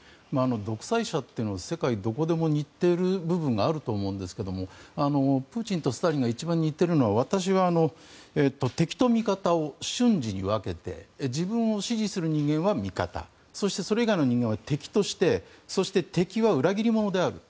独裁者というのは世界どこでも似ている部分があると思うんですがプーチンとスターリンが一番似ているのは私は敵と味方を瞬時に分けて自分を支持する人間は味方そしてそれ以外の人間は敵としてそして敵は裏切り者である。